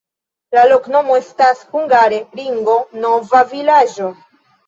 La loknomo estas hungare: ringo-nova-vilaĝo.